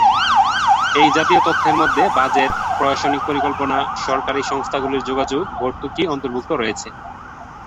এই জাতীয় তথ্যের মধ্যে বাজেট, প্রশাসনিক পরিকল্পনা, সরকারি সংস্থাগুলির যোগাযোগ, ভর্তুকি অন্তর্ভুক্ত রয়েছে।